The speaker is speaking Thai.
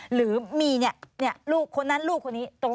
หรือมีลูกคนนั้นลูกคนนี้